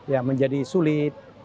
ya menjadi sulit